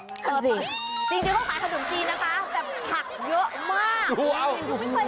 จริงเขาขายขนมจีนนะคะแต่ผักเยอะมาก